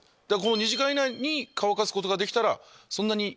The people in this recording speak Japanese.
２時間以内に乾かすことができたら。